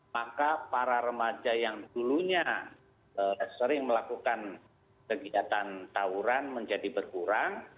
maka para remaja yang dulunya sering melakukan kegiatan tawuran menjadi berkurang